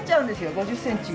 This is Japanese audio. ５０センチ。